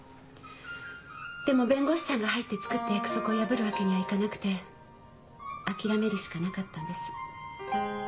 でも弁護士さんが入って作った約束を破るわけにはいかなくて諦めるしかなかったんです。